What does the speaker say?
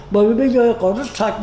bởi vì bây giờ có rất sạch